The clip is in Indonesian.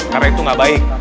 karena itu nggak baik